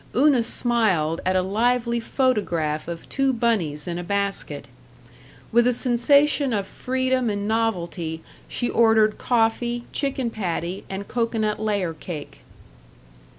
Una smiled at a lively photograph of two bunnies in a basket. With a sensation of freedom and novelty she ordered coffee, chicken patty, and cocoanut layer cake.